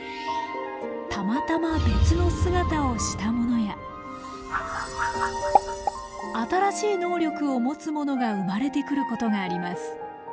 たまたま別の姿をしたものや新しい能力を持つものが生まれてくることがあります。